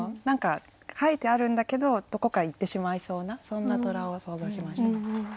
何か描いてあるんだけどどこかへ行ってしまいそうなそんな虎を想像しました。